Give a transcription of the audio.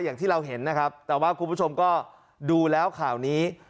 อย่างที่เราเห็นนะครับแต่ว่าคุณผู้ชมก็ดูแล้วข่าวนี้